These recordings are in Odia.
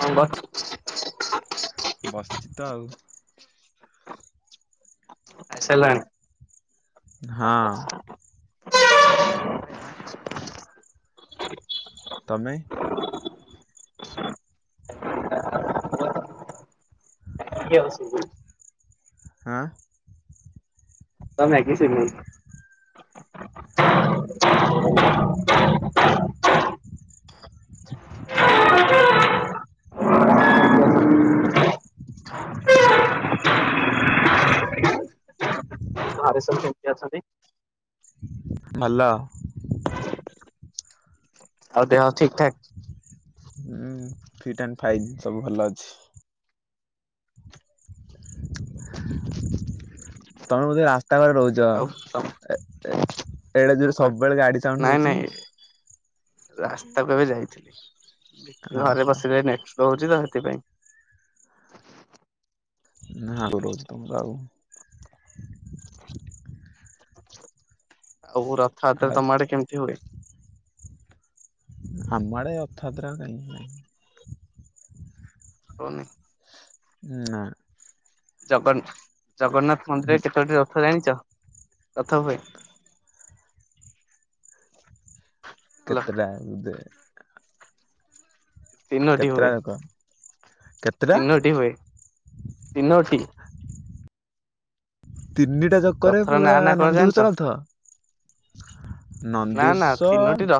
ହଁ ବା ବସିଛି ତ ଆଉ। ଖାଇ ସାରିଲଣି? ହଁ। ତମେ? [inaudible] ହାଁ? ତ ମ୍ୟାଗି ସିଏ [inaudible] ଘରେ ସବୁ କିଏ କିଏ ଅଛନ୍ତି? ହଲ ଆଉ ଦେହ ଠିକଠାକ୍? ହୁଁ ଫିଟ୍ ଆଣ୍ଡ ଫାଇନ୍ ସବୁ ଭଲ ଅଛି। ତମେ ବୋଧେ ରାସ୍ତା କରେ ରହୁଚ? ଆଉ ତମ ଏ-ଏ ଏଡେ କଣ ଜୋରରେ କହ ସବୁବେଳେ ଗାଡି ସାଉଣ୍ଡ ନାଇଁ ହଉଚି? ନାଇଁ ରାସ୍ତାକୁ ଏବେ ଯାଇଥିଲି, ଘରେ ଓହୋ। ବସିଲେ ନେଟ୍ ସ୍ଲୋ ହଉଛି ତ ସେଥିପାଇଁ ନାଁ [inaudible] ତମର ଆଉ ଆଉ ରଥଯାତ୍ରା ଆଉ ତମ ଆଡେ କେମିତି ହୁଏ? ଆମ ଆଡେ ରଥଯାତ୍ରା କାହିଁ, ନାହିଁ। ହଉନି? ନା। ଜଗନ୍ ଜଗନ୍ନାଥ ହୁଁ ମନ୍ଦିରରେ କେତୋଟି ରଥ ଜାଣିଚ, ରଥ ହୁଏ? ହାଲୋ କେତେଟା ଦେ ତିନୋଟି ହୁଏ କେତେଟା [inaudible] କେତେଟା? ତିନୋଟି ହୁଏ ତିନୋଟି ତିନିଟା ଚ କରେ ରଥର ପୁରା ନାଁ ନା କଣ ଜାଣିଛ? ନନ୍ଦିଘୋଷ ରଥ ନନ୍ଦିଘୋଷ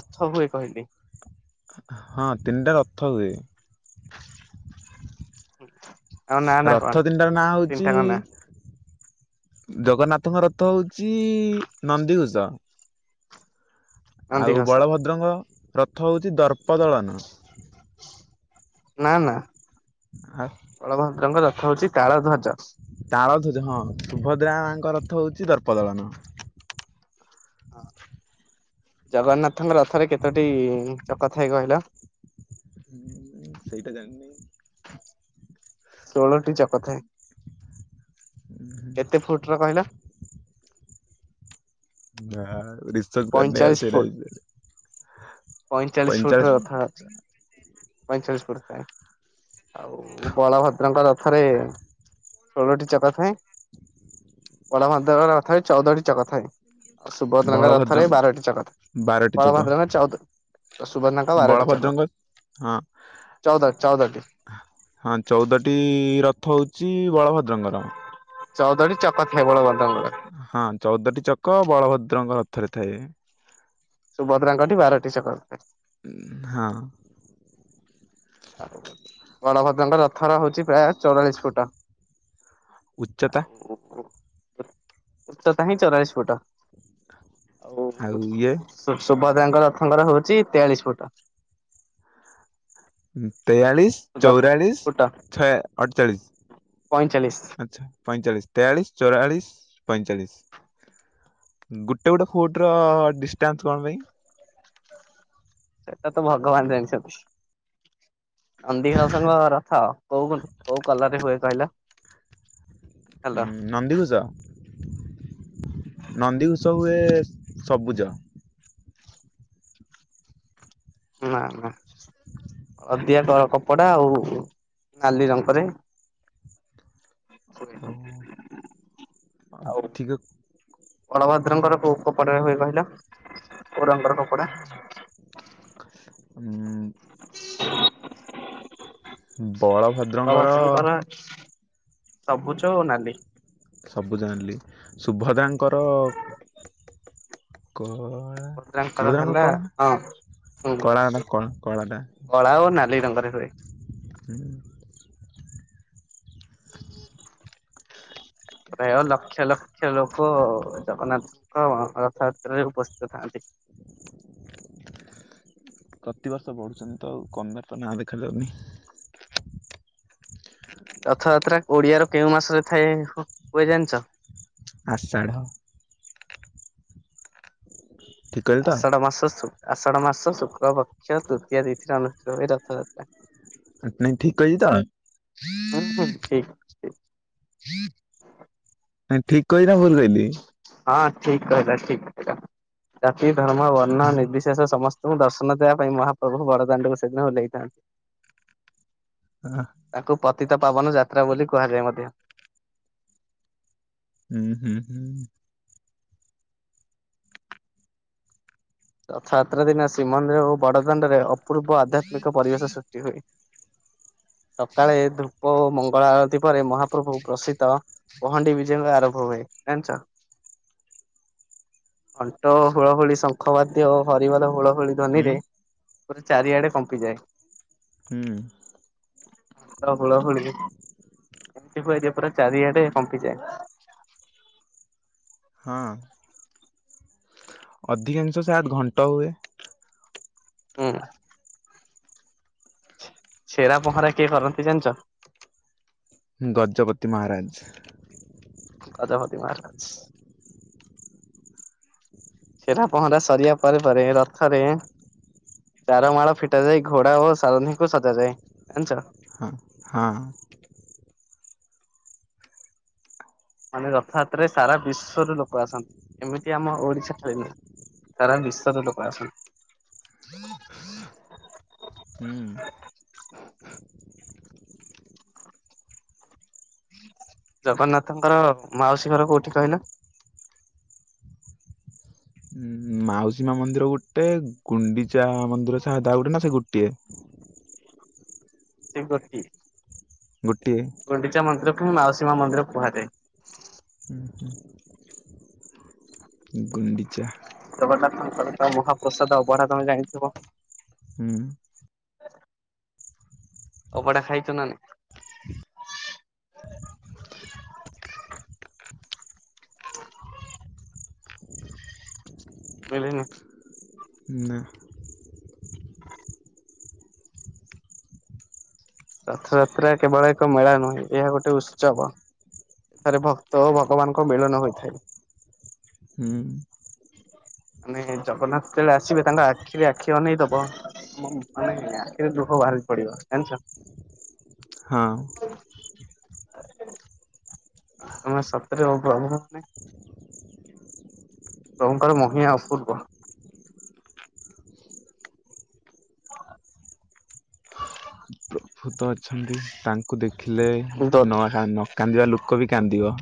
ସବୁଏ କହିଲି। ହଁ ତିନିଟା ରଥ ହୁଏ। ଆଉ ନା ନା କଣ? ରଥ ତିନ୍ଟାର ନାଁ ହୋଉଚି ତିନିଟାଙ୍କ ନାଁ ଜଗନ୍ନାଥଙ୍କ ରଥ ହୋଉଚି ନନ୍ଦିଘୋଷ। ଆଉ ନନ୍ଦିଘୋଷ ବଳଭଦ୍ରଙ୍କ ରଥ ହୋଉଚି ଦର୍ପ ଦଳନ। ନାଁ ନାଁ। ଆଉ। ବଳଭଦ୍ରଙ୍କ ରଥ ହୋଉଚି କାଳ ଧ୍ୱଜ। ତାଳଧ୍ୱଜ ହଁ ସୁଭଦ୍ରା ମାଙ୍କ ରଥ ହୋଉଚି ଦର୍ପ ଦଳନ। ହଁ ଜଗନ୍ନାଥଙ୍କ ରଥରେ କେତୋଟି ଚକ ଥାଏ କହିଲ? [unintelligible] ସେଇଟା ଜାଣିନିଁ। ଷୋଳଟି ଚକ ଥାଏ କେତେ ଫୁଟ୍ ର କହିଲ? ନା ଆଉ ରସେଅର୍ଚ୍ଚ କରିନି ପଇଁଚାଳିଶ ସେଇଟା ବିଷୟରେ। ପଇଁଚାଳିଶ୍ ଫୁଟ୍ ପଇଁଚାଳିଶ ର ରଥ ଅଛି। ପଇଁଚାଳିଶ୍ ଫୂଟ୍ ଥାଏ ଆଉ ବଳଭଦ୍ରଙ୍କର ଥରେ ଷୋଳଟି ଚକ ଥାଏଁ। ବଳଭଦ୍ରକ ରଥରେ ଚଉଦଟି ଚକ ଥାଏ ଆଉ ସୁଭଦ୍ରଙ୍କ ବଳଭଦ୍ର ରଥରେ ବାରଟି ଚକ ଥାଏ। ବାରଟି ବାଳ ଯାକ ଭାତ୍ରଙ୍ଗ ଚାଉଥ ସୁବନ୍ନା ଙ୍କ ବାରଟି ଚକ। ବଳଭଦ୍ରଙ୍କ ହଁ। ଚଉଦ ଚଉଦଟି ହଁ ଚଉଦଟି ରଥ ହଉଛି ବଳଭଦ୍ରଙ୍କର ଚଉଦଟି ଚକ ଥାଏ ବଳଭଦ୍ରଙ୍କର। ହଁ ଚଉଦଟି ଚକ ବଳଭଦ୍ରଙ୍କ ରଥରେ ଥାଏ। ସୁଭଦ୍ରାଙ୍କଠି ବାରଟି ଚକ ଥାଏ। ହଁ। ଆ ବଳଭଦ୍ରଙ୍କ ରଥର ହଉଛି ପ୍ରାୟ ଚଉରାଳିଶ ଫୁଟ। ଉଚ୍ଚତା ଆଉ ଉଚତା ହିଁ ଚଉରାଳିଶ ଫୁଟ। ଆଉ ସୁଭଦ୍ରାଙ୍କ ରଥଙ୍କର ହଉଛି ତେୟାଳିଶ ଫୁଟ। ତେୟାଳିଶ ଚଉରାଳିଶ ଫୁଟ ଛ ପଇଁଚାଳିଶ ଅଠଚାଳିଶ ଆଚ୍ଛା ପଇଁଚାଳିଶ। ତେୟାଳିଶ ଚଉରାଳିଶ ପଇଁଚାଳିଶ। ଗୋଟେ ଗୋଟେ ଫୋଟ ର ଡିଷ୍ଟାନ୍ସ କଣ ପାଇଁ? ସେଇଟା ତ ଭଗବାନ ଜାଣିଛନ୍ତି। ନନ୍ଦୀ ଘୋଷଙ୍କ ରଥ କୋଉ କୋଉ କଲ ରେ ହୁଏ କହିଲା? ନନ୍ଦୀଘୋଷ ନନ୍ଦୀଘୋଷ ହୁଏ ସବୁଜ। ନା ନା ଅଦିଆ କପଡା ଆଉ ନାଲି ରଙ୍କରେ ଆଉ [unintelligible] ବଳଭଦ୍ରଙ୍କର କୋଉ କପଡା ରେ ହୁଏ କହିଲା? [unintelligible] ବଳଭଦ୍ରଙ୍କର ବଳଭଦ୍ରଙ୍କର ସବୁଜ ଓ ନାଲି। ସବୁଯ ନାଲି ସୁଭଦ୍ରାଙ୍କର କଳା ଭଦ୍ରାଙ୍କର ହେଲା ସୁଭଦ୍ରନାଙ୍କର କଳା ହଁ ନା? ହୁଁ କଳା ନା କଣ କଳାଟା କଳା ଓ ନାଲି ରଙ୍ଗରେ ହୁଏ। ପ୍ରାୟ ଲକ୍ଷ ଲକ୍ଷ ଲୋକ ଜଗନ୍ନାଥ କଣ ରଥଯାତ୍ରରେ ଉପସ୍ଥିତ ଥାନ୍ତି। ପ୍ରତି ବର୍ଷ ବଢୁଛନ୍ତି ତ ଆଉ କନ୍ମେସନ୍ ରେ ନାଁ ଦେଖାାଯାଉନି। ରଥଯାତ୍ରା ଓଡିଆର କେଉଁ ମାସରେ ଥାଏ ହୁ ହୁଏ ଜାଣ୍ଚ? ଆଷାଢ଼। ଠିକ କହିଲି ତ? ଆଠଢ଼ ମାସ ସୁ ଆଷାଢ଼ ମାସ ଶୁକ୍ଳ ପକ୍ଷ ତୃତୀୟ ତିଥି ଅନୁଷ୍ଠିତ ହଏ ରଥଯାତ୍ରା। ଆଟାଇ ଠିକ୍ କହିଛି ତ? ଉଁ ଉଁ ଠିକ୍। ଆଜ୍ଞା ଠିକ୍ କହିଲି ନା ଭୁଲ୍ କହିଲି? ହଁ ଠିକ୍ କହିଲ ଠିକ୍ କହିଲ ଜାତି, ଧର୍ମ, ବର୍ଣ୍ଣ, ନିର୍ଦି ଶେଷ ସମସ୍ତଙ୍କୁ ଦର୍ଶନ ଦେବା ପାଇଁ ମହାପ୍ରଭୁ ବଡ଼ଦାଣ୍ଡକୁ ସେଦିନ ଓହ୍ଲେଇଥାନ୍ତି। ଆଁ। ତାକୁ ପତିତ ପାବନ ଯାତ୍ରା ବୋଲି କୁହାଯାଏ ମଧ୍ୟ। ଉଁ ହୁଁ ହୁଁ। ରଥଯାତ୍ରା ଦିନ ଶ୍ରୀମନ୍ଦିର ଓ ବଡ଼ଦାଣ୍ଡରେ ଅପୂର୍ବ ଆଧ୍ୟାତ୍ମିକ ପରିବେଶ ସୃଷ୍ଟି ହୁଏ। ସକାଳେ ଧୂପ ଓ ମଙ୍ଗଳା ଆଳତି ପରେ ମହାପ୍ରଭୁ ପ୍ରସିଦ୍ଧ ପହଣ୍ଡି ବିଜୟଙ୍କ ଆରଭ ହଏ ଜାଣ୍ଚ? ଘଣ୍ଟ ଓ ହୁଳ ହୁଳି ସ ଙ୍ଖବାଦ୍ୟ ଓ ହରିବୋଲ ହୁଳ ହୋଳି ହୁଁ ଧ୍ୱନିରେ ପୁରା ଚାରିଆଡେ କମ୍ପିଯାଏ। ହୁଁ। ତାର ହୁଳହୁଳି ଏତିକ ଏରିଆ ପୁରା ଚାରିଆଡେ କମ୍ପିଯାଏ। ହଁ ଅଧିକାଂଶ ସାଦ୍ ଘଣ୍ଟ ହୁଏ। ହୁଁ। ଛେରା ପହଁରା କିଏ କରନ୍ତି ଜାଣ୍ଚ? ଗଜପତି ମହାରାଜ୍। ଗଜପତି ମହାରାଜ୍। ଛେରା ପହଁରା ସରିବା ପରେ ପରେ ରଥରେ ଚାର ମାଳ ଫିଟା ଯାଇ ଘୋଡା ଓ ସାରଧୀଙ୍କୁ ସଜାଯାଏ ଜାଣ୍ଚ? ହଁ ହଁ। ମାନେ ରଥଯାତ୍ରାରେ ସାରା ବିଶ୍ଵ ରୁ ଲୋକ ଆସନ୍ତି ଏମିତି ଆମ ଓଡିଶା ଠାରେ ନୂଅ। ସାରା ବିଶ୍ୱରୁ ଲୋକ ଆସନ୍ତି। ହୁଁ ହୁଁ। ଜଗନ୍ନାଥଙ୍କର ମାଉସୀ ଘର କୋଉଠି କହିଲ? ମାଉସୀମା ମନ୍ଦିର ଗୋଟେ ଗୁଣ୍ଡିଚା ମନ୍ଦିର ସାଦ୍ ଆଉ ଗୋଟେ ନା ସେ ଗୋଟିଏ। ସେଇ ଗୋଟି ଗୋଟିଏ। ଗୁଣ୍ଡିଚା ମିନ୍ଦିରକୁ ମୁଁ ମାଉସୀମା ମନ୍ଦିର କୁହାଯାଏ। ହୁଁ ହୁଁ। ଗୁଣ୍ଡିଚା। ଜଗନାଥଙ୍କର ମହାପ୍ରସାଦ ଅଭଡ଼ା ତମେ ଜାଣିଥିବ? ହୁଁ। ଅଭଡ଼ା ଖାଇଛ ନା ନାଇ? ମିିଳିନି। ନା। ରଥଯାତ୍ରା କେବଳ ଏକ ମେଳା ନୁହେଁ, ଏହା ଗୋଟେ ଉତ୍ସବ। ଏଥେରେ ଭକ୍ତ ଓ ଭଗବାନଙ୍କ ମିଳନ ହୋଇଥାଏ। ହୁଁ। ମାନେ ଜଗନ୍ନାଥ ଯେେବେଳେ ଆସିବେ, ତାଙ୍କ ଆଖିରେ ଆଖି ଅନେଇଦବ ମାନେ ଆଖିରେ ଦୁଃଖ ବାହାରି ପଡିବ, ଜାଣିିଚ? ହଁ [unintelligible] ତମେ ସତରେ ଓ ପ୍ରଭୁଙ୍କୁ ମାନେ ପ୍ରଭୁଙ୍କର ମହିଆ ଅପୂର୍ବ। ଭୂତ ଅଛନ୍ତି, ତାଙ୍କୁ ଦେଖିଲେ ନ ନ କାନ୍ଦିବା ଲୋକ ବି କାନ୍ଦିବ।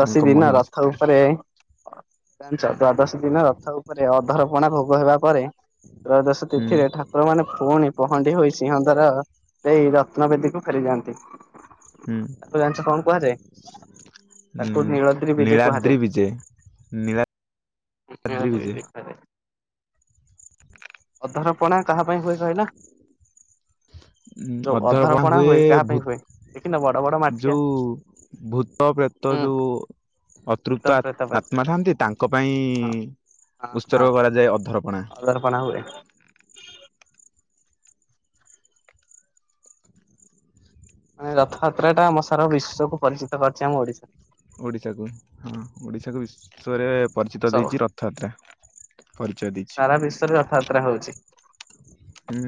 ତାଙ୍କ ଦିନ ମହିମା ରଥ ସେତିକି ଉପରେ ଜାଣିଚ, ଦ୍ଵାଦଶ ଦିନ ରଥ ଉପରେ ଅଧର ପଣା ଭୋଗ ହେବା ପରେ ତ୍ରୟୋଦଶୀ ହୁଁ ତିଥିରେ ଠା ଠାକୁର ମାନେ ପୁଣି ପହଣ୍ଡି ହୋଇ ସିଂହ ଦାର ଦେଇ ରତ୍ନବେଦୀକୁ ଫେରିଯାଆନ୍ତି। ହୁଁ ତାକୁ ଜାଣିଚ କଣ କୁହାଯାଏ? ତାକୁ ହୁଁ ନୀଳଦ୍ରି ବିଜେ କୁହାଯାଏ, ନୀଳାଦ୍ରି ବିଜେ ନୀଳାଦ୍ରୀ ବିଜେ କୁହାଯାଏ। ଅଧରପଣା କାହା ପାଇଁ ହୁଏ କହିଲ? ଯୋଉ ଅଧରପଣା ହୁଏ, କାହା ପାଇଁ ହୁଏ? ଦେଖିନ ବଡ ବଡ ମାଠିଆ? ଯୋଉ ଭୂତ, ପ୍ରେତ ତ ହୁଁ ଯୋଉ ଭୂତ ଅତୃପ୍ତ ପ୍ରେତ ପାଇଁ। ଆତ୍ମା ଥାଆନ୍ତି, ତାଙ୍କ ପାଇଁ ହଁ ହଁ ଉତ୍ସର୍ଗ ହଁ କରାଯାଏ ଅଧରପଣା। ଅଧରପଣା ହୁଏ। ମାନେ ରଥଯାତ୍ରା ଟା ଆମ ସାରା ବିଶ୍ୱକୁୁ ପରିଚିତ କରିଚି ଆମ ଓଡିଶା। ଓଡ଼ିଶାକୁ, ହଁ ଓଡ଼ିଶାକୁ ବିଶ୍ଵରେ ପରିଚିତ ସବୁ ଦେଇଚି ରଥଯାତ୍ରା, ପରିଚୟ ଦେଇଚି। ସାରା ବିଶ୍ୱରେ ର ରଥଯାତ୍ରା ହଉଚି। ହୁଁ।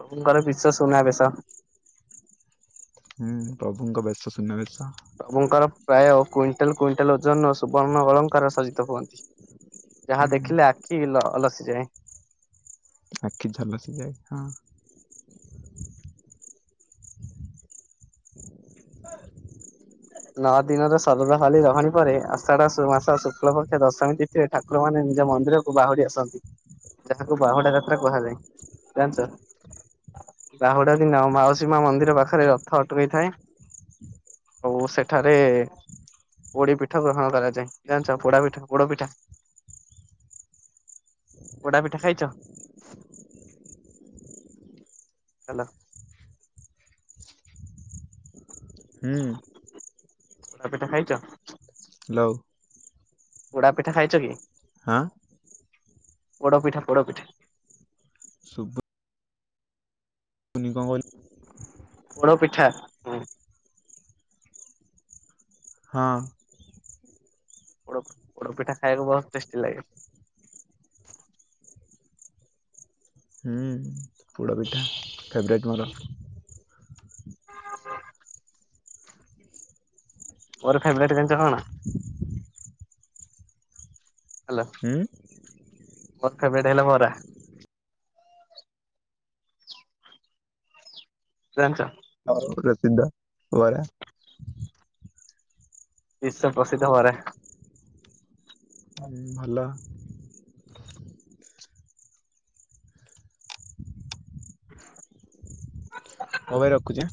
ପ୍ରଭୁଙ୍କର ବିଶ୍ୱ ସୁନାବେଶ। ହୁଁ, ପ୍ରଭୁଙ୍କ ବେଶ ସୁନା ବେଶ। ପ୍ରଭଙ୍କର ପ୍ରାୟ କୁଇଣ୍ଟାଲ କୁଇଣ୍ଟାଲ ଓଜନ ସୁବର୍ଣ୍ଣ ଅଳଙ୍କାର ସଜିତ ହୁଅନ୍ତି। ଯାହା ହୁଁ ଦେଖିଲେ ଆଖି ଲ ଲସିଯାଏ। ଆଖି ଝଲସି ଯାଏ। [unintelligible] ନଅ ଦିନର ଶରଦ ଖାଲି ରହଣୀ ପରେ ଆଷାଢ ମାସ ଶୁକ୍ଲ ପକ୍ଷ ଦଶମୀ ତି ଠାକୁର ମାନେ ନିଜ ମନ୍ଦିର କୁ ବାହୁଡ଼ି ଆସନ୍ତି। ଯାହାକୁ ବାହୁଡା ଯାତ୍ରା କୁହାଯାଏ, ଜାଣିଚ? ବାହୁଡା ଦିନ ମାଉସୀ ମା ମନ୍ଦିର ପାଖରେ ରଥ ଅଟକେଇଥାଏ। ଓ ଉ ସେଠାରେ ପୋଡି ପିଠା ଗ୍ରହଣ କରାଯାଏ, ଜାଣିଚ ପୋଡା ପିଠା, ପୋଡ ପିଠା? ପୋଡାପିଠା ଖାଇଚ? ହାଲୋ। ହୁଁ ଆଉ କେତେ ଖାଇଚ? ହାଲୋ। ପୋଡା ପିଠା ଖାଇଚ କି? ହଁ। ପୋଡ଼ପିଠା ପୋଡ଼ପିଠା ତୁନି କ କଇ ପୋଡପିଠା ହଁ। ପୋଡ ପୋଡପିଠା ଖାଇବାକୁ ବହୁତ ଟେଷ୍ଟି ଲାଗେ। ହୁଁ। [inaudible] ଫେବରେଟ୍ ମୋର। ଆଚ୍ଛା। [unintelligible] ଫେବରେଟ୍ କିନ୍ତୁ [unintelligible] ହେଲୋ। ହୁଁ। ବର୍ଖା ବେଟ ହେଲା ମରା। ଜାଣିଚ? ଆଉ [unintelligible] ବରା ବିଶ୍ବ ପ୍ରସିଦ୍ଧ ବରା। [inaudible] ଭଲ ହଉ ଭାଇ ରଖୁଛି ଆଁ।